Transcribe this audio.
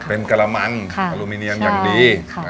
เป็นกระมังอลูมิเนียมอย่างดี